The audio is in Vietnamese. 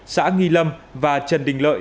xã nghi lâm và trần đình lợi